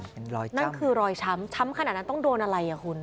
เป็นรอยช้นั่นคือรอยช้ำช้ำขนาดนั้นต้องโดนอะไรอ่ะคุณ